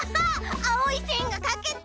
あおいせんがかけた！